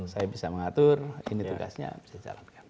saya bisa mengatur ini tugasnya bisa dijalankan